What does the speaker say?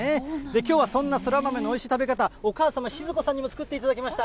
きょうはそんなそら豆のおいしい食べ方、お母様、静子さんにも作っていただきました。